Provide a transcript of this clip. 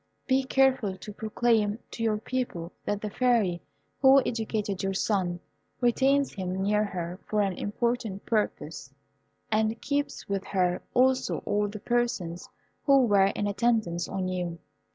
Be careful to proclaim to your people that the Fairy who educated your son retains him near her for an important purpose, and keeps with her also all the persons who were in attendance on you."